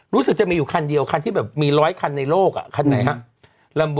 รู้สึกจะมีอยู่คันเดียวคันที่แบบมี๑๐๐คันในโลกอ่ะคันไหนครับ